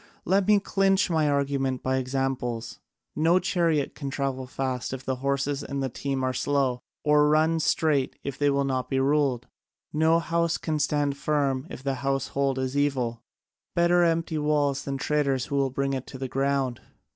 Let me clinch my argument by examples: no chariot can travel fast if the horses in the team are slow, or run straight if they will not be ruled; no house can stand firm if the household is evil: better empty walls than traitors who will bring it to the ground.